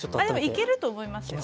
でもいけると思いますよ。